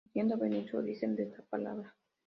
Pudiendo venir su origen de esta palabra.